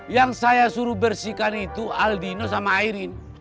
yang saya suruh bersihkan itu aldino sama airin